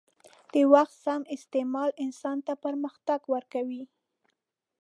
د وخت سم استعمال انسان ته پرمختګ ورکوي.